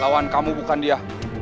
lawan kamu bukan dia